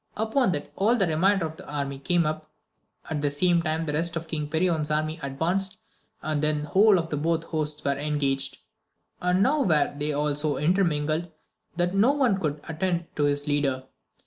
Upon that all ibhe remainder of the army came up, at the same time the rest of King Perion's army advanced, and then the whole of both hosts were engaged, and 192 AMADIS OF GAUL. now were they all so intenningled, that no one could attend to his leader.